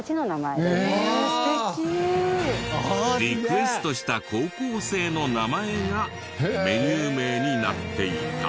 リクエストした高校生の名前がメニュー名になっていた。